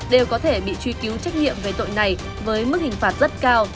đều có thể bị truy cứu trách nhiệm về tội này với mức hình phạt rất cao